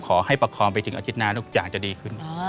ขอให้ประคองไปถึงอาทิตย์หน้าทุกอย่างจะดีขึ้น